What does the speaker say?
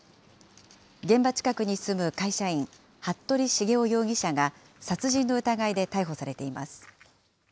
現場近くに住む会社員、服部繁雄容疑者が殺人の疑いで逮捕されています。